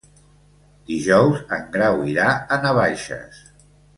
Dijous en Grau irà a Navaixes.